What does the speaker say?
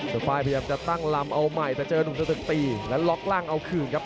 ไฟล์พยายามจะตั้งลำเอาใหม่แต่เจอหนุ่มสตึกตีและล็อกล่างเอาคืนครับ